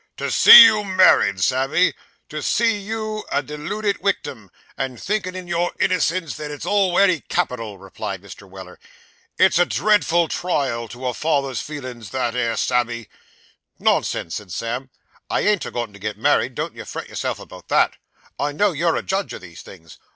'To see you married, Sammy to see you a dilluded wictim, and thinkin' in your innocence that it's all wery capital,' replied Mr. Weller. 'It's a dreadful trial to a father's feelin's, that 'ere, Sammy ' 'Nonsense,' said Sam. 'I ain't a goin' to get married, don't you fret yourself about that; I know you're a judge of these things.